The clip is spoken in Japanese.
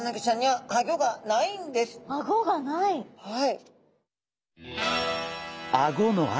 はい。